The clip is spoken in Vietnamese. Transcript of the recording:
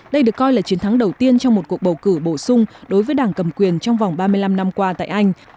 đây được coi là chiến thắng đầu tiên trong một cuộc bầu cử bổ sung đối với đảng cầm quyền trong vòng ba mươi năm năm qua tại anh